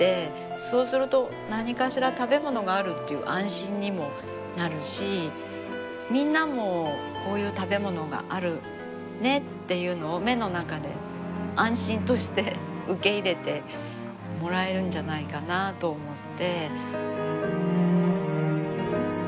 そうすると何かしら食べ物があるっていう安心にもなるしみんなもこういう食べ物があるねっていうのを目の中で安心として受け入れてもらえるんじゃないかなと思って。